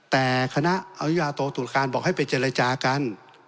แต่คณะอนุญาโตตุรการบอกให้ไปเจรจากัน